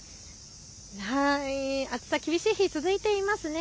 暑さ、厳しい日が続いていますね。